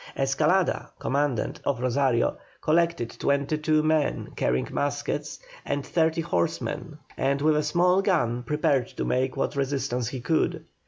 Escalada, commandant of Rosario, collected twenty two men, carrying muskets, and thirty horsemen, and with a small gun prepared to make what resistance he could.